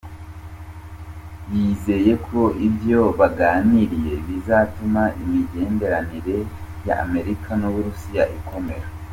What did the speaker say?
Yizeye ko ivyo baganiriye bizotuma imigenderanire ya Amerika n'Uburusiya ikomera.